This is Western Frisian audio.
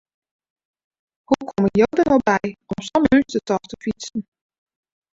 Hoe komme jo der no by om sa'n meunstertocht te fytsen?